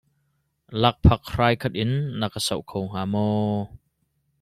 Lakphak hraikhat in na ka soh kho hnga maw?